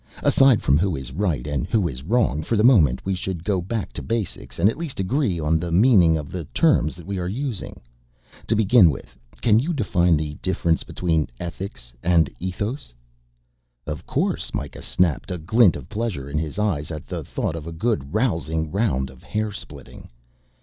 Aside from who is right and who is wrong, for the moment, we should go back to basics and at least agree on the meaning of the terms that we are using. To begin with can you define the difference between ethics and ethos?" "Of course," Mikah snapped, a glint of pleasure in his eyes at the thought of a good rousing round of hair splitting.